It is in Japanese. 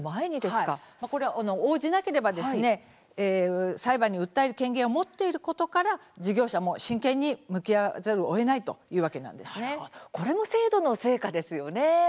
これは応じなければ裁判に訴える権限を持っていることから事業者も真剣に向き合わざるをえないこれも制度の成果ですよね。